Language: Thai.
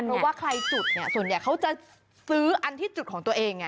เพราะว่าใครจุดเนี่ยส่วนใหญ่เขาจะซื้ออันที่จุดของตัวเองไง